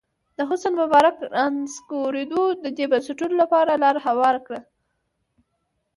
د حسن مبارک رانسکورېدو د دې بنسټونو لپاره لاره هواره کړه.